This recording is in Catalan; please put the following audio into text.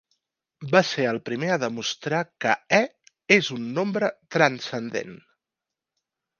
Va ser el primer a demostrar que e és un nombre transcendent.